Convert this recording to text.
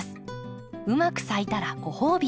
うまく咲いたらご褒美。